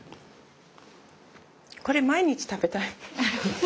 これ毎日食べたい。